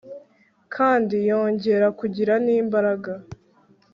kandi yongera kugira n'imbaraga